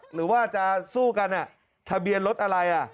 หรือว่าจะสู้กันทะเบียนรถอะไร